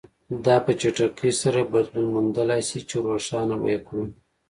دا په چټکۍ سره بدلون موندلای شي چې روښانه به یې کړو.